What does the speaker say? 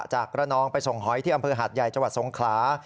กระนองไปส่งหอยที่อำเภอหาดใหญ่จังหวัดสงขลา